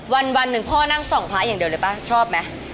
วันนึงพ่อนั่งส่องพระอย่างเดินเลยปะชอบมั้ย